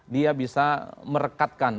dia bisa merekatkan